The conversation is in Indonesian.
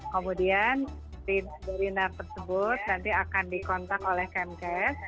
kemudian si berinar tersebut nanti akan dikontak oleh kmk